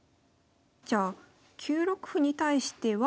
じゃあ９六歩に対しては。